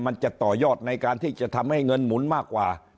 มันจะต่อยอดในการที่จะทำให้เงินหมุนมากกว่า